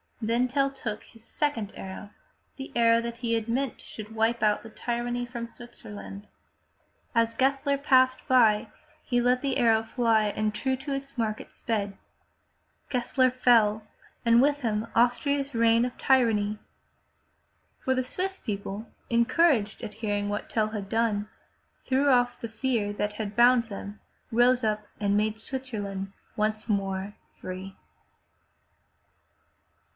Then Tell took his second arrow, the arrow that he had meant should wipe out tyranny from Switzerland. As Gessler passed by, he let the arrow fly, and true to its mark it sped. Gessler fell and with him Austria's reign of tyranny. For the Swiss people, encouraged at hearing what Tell had done, threw off the fear that had bound them, rose up and made Switzerland once more free.